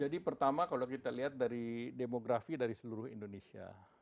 jadi pertama kalau kita lihat dari demografi dari seluruh indonesia